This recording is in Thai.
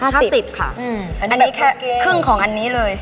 อันนี้แค่ครึ่งของอันนี้เลย